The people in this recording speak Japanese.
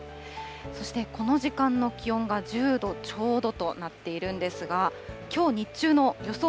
そしてこの時間の気温が１０度ちょうどとなっているんですが、きょう日中の予想